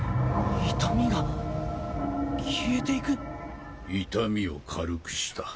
痛みが消えていく⁉痛みを軽くした。